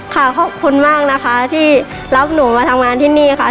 ขอบคุณมากนะคะที่รับหนูมาทำงานที่นี่ค่ะ